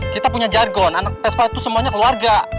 kita punya jargon anak vespa itu semuanya keluarga